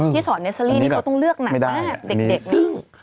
ที่สอนเนสเตอรี่ที่เขาต้องเลือกหนักเด็ก